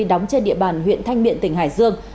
đóng trên địa bàn huyện thanh miện tỉnh hải dương